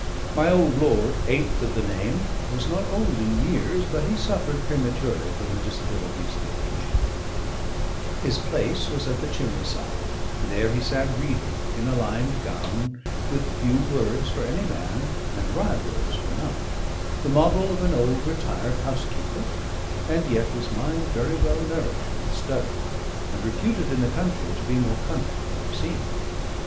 My old lord, eighth of the name, was not old in years, but he suffered prematurely from the disabilities of age; his place was at the chimney side; there he sat reading, in a lined gown, with few words for any man, and wry words for none: the model of an old retired housekeeper; and yet his mind very well nourished with study, and reputed in the country to be more cunning than he seemed.